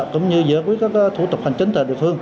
cũng như giữa các thủ tục hành chính tại địa phương